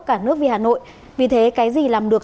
cả nước vì hà nội vì thế cái gì làm được